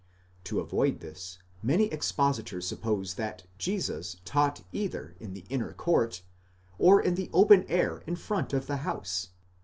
To avoid this, many expositors suppose that Jesus taught either in the inner court,'® or in the open air in front of the house